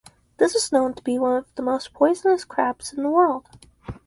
This is known to be one of the most poisonous crabs in the world.